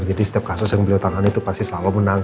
jadi setiap kasus yang beliau tangani itu pasti selalu menang